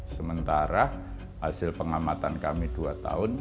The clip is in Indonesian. sementara hasil pengamatan kami dua tahun